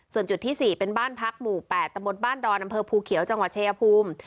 ส่วนจุดที่๔เป็นบ้านพักหมู่๘ตะบนบ้านดอนอำเภอภูเขียวจังหวัดชายภูมิ